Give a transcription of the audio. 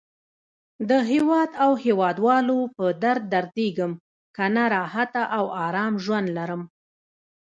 د هیواد او هیواد والو په درد دردېږم. کنه راحته او آرام ژوند لرم.